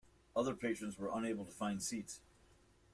Other patrons were unable to find seats.